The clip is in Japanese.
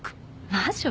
魔女？